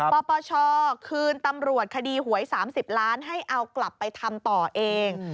ปปชคืนตำรวจคดีหวย๓๐ล้านให้เอากลับไปทำต่อเอง